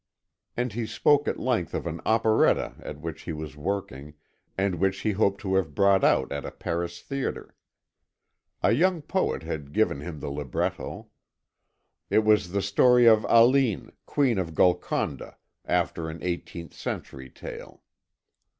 And he spoke at length of an operetta at which he was working and which he hoped to have brought out at a Paris theatre. A young poet had given him the libretto. It was the story of Aline, queen of Golconda, after an eighteenth century tale.